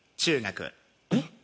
えっ？